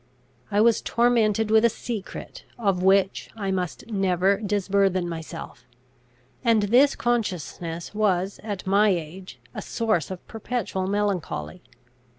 I was tormented with a secret, of which I must never disburthen myself; and this consciousness was, at my age, a source of perpetual melancholy.